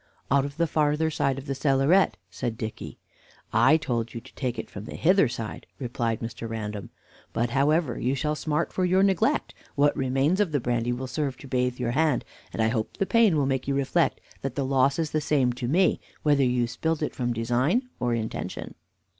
"Out of the farther side of the cellaret," said Dicky. "I told you to take it from the hither side," replied Mr. Random. "But, however, you shall smart for your neglect: what remains of the brandy will serve to bathe your hand, and I hope the pain will make you reflect that the loss is the same to me, whether you spilt it from design or inattention."